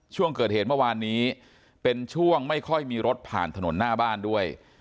ช่วงเกิดเหตุเมื่อวานนี้เป็นช่วงไม่ค่อยมีรถผ่านถนนหน้าบ้านด้วย